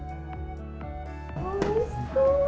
おいしそう。